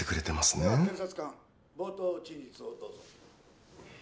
では検察官冒頭陳述をどうぞ。